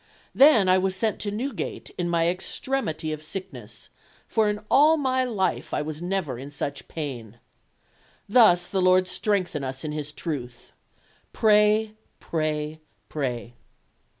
Then was I sent to Newgate in my extremity of sickness, for in all my life I was never in such pain. Thus the Lord strengthen us in His truth. Pray, pray, pray."